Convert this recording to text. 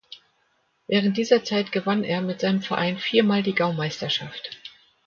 Während dieser Zeit gewann er mit seinem Verein viermal die Gaumeisterschaft.